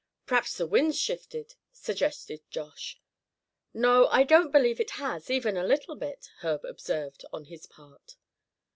"P'raps the wind's shifted?" suggested Josh. "No, I don't believe it has, even a little bit," Herb observed, on his part.